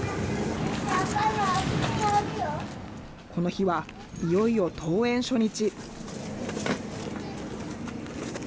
この日は、いよいよ登園初日。